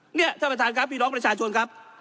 เนี่ยท่านประธานครับพี่น้องประชาชนครับ